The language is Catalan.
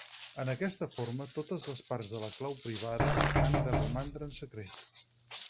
En aquesta forma, totes les parts de la clau privada han de romandre en secret.